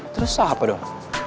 terus apa dong